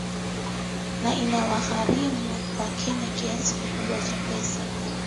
na inawagharimu wakenya kiasi kikubwa cha pesa